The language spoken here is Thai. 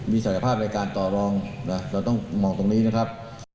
มีศักยภาพในการต่อรองเราต้องมองตรงนี้นะครับ